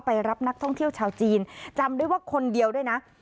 รับนักท่องเที่ยวชาวจีนจำได้ว่าคนเดียวด้วยนะ